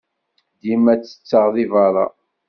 Dima ttetteɣ deg beṛṛa.